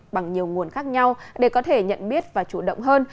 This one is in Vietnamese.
bằng nhiều nguồn khác nhau để có thể nhận biết và chủ động hơn